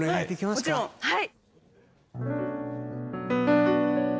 もちろんはい。